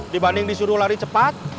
dibanding disuruh lari cepat